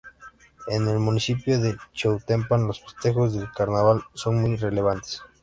En el municipio de Chiautempan los festejos del Carnaval son muy relevantes.